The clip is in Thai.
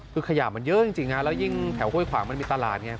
คือขยะมันเยอะจริงแล้วยิ่งแถวห้วยขวางมันมีตลาดไง